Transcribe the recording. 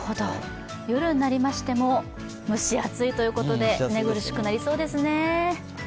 夜になりましても、蒸し暑いということで、寝苦しくなりそうですね。